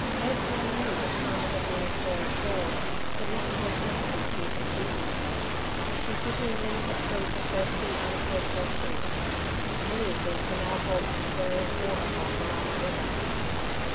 Ursula knew that Palmer had been astir at dawn, but not to attend to his usual duties, for she pityingly had freed the thirsty, uncared for sheep; many of these were now bogged in the various water holes along the river.